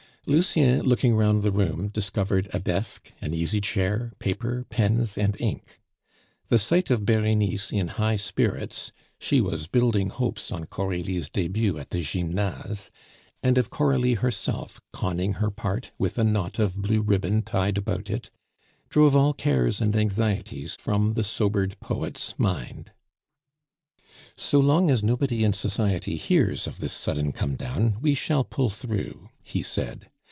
Lucien, looking round the room, discovered a desk, an easy chair, paper, pens, and ink. The sight of Berenice in high spirits (she was building hopes on Coralie's debut at the Gymnase), and of Coralie herself conning her part with a knot of blue ribbon tied about it, drove all cares and anxieties from the sobered poet's mind. "So long as nobody in society hears of this sudden comedown, we shall pull through," he said.